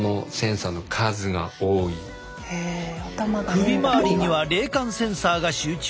首回りには冷感センサーが集中。